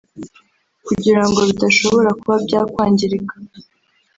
kugirango bidashobora kuba byakwangirika